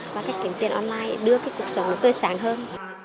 và cách kiếm tiền online để đưa cuộc sống tươi sáng hơn